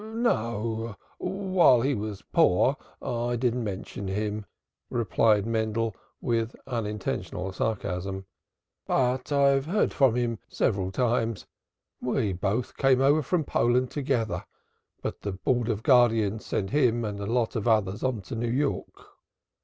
"No, while he was poor, I didn't mention him," replied Mendel, with unintentional sarcasm. "But I've heard from him several times. We both came over from Poland together, but the Board of Guardians sent him and a lot of others on to New York."